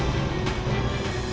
tidak ada satu